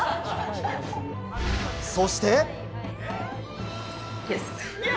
そして。